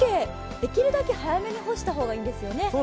できるだけ早めに干した方がいいんですよね。